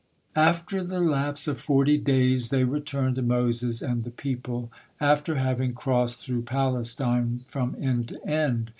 After the lapse of forty days they returned to Moses and the people, after having crossed through Palestine from end to end.